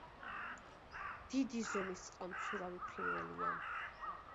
დიდი ზომის წყალმცურავი ფრინველია.